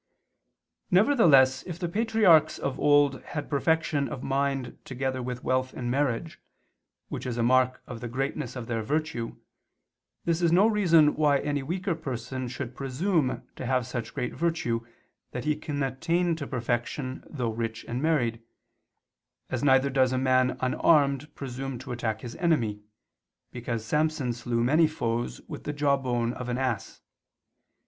Nevertheless if the patriarchs of old had perfection of mind together with wealth and marriage, which is a mark of the greatness of their virtue, this is no reason why any weaker person should presume to have such great virtue that he can attain to perfection though rich and married; as neither does a man unarmed presume to attack his enemy, because Samson slew many foes with the jaw bone of an ass.